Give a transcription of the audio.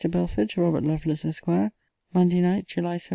BELFORD, TO ROBERT LOVELACE, ESQ. MONDAY NIGHT, JULY 17.